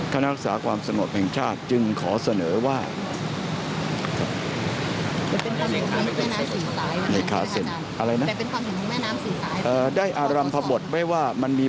คณะรักษาความสงบแห่งชาติจึงขอเสนอว่า